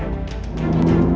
aku akan mencari cherry